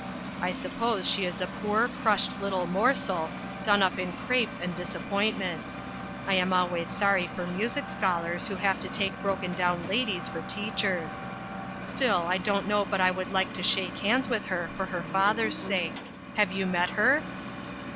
I suppose she is a poor, crushed little morsel, done \ip in crape and disappointment. I am al ways sorry for music scholars who have to take broken down ladies for teachers. Still, I don't know but I would like to shake hands with her for her father's sake. Have you met her